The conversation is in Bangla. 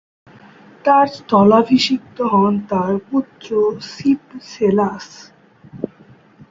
তার স্থলাভিষিক্ত হন তার পুত্র সিপসেলাস।